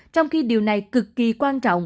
trong khi điều này cực kỳ quan trọng